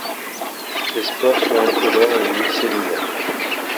Les spores sont incolores et unicellulaires.